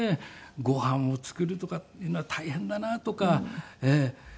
ご飯を作るとかっていうのは大変だなとか。